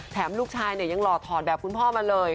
ลูกชายเนี่ยยังหล่อถอดแบบคุณพ่อมาเลย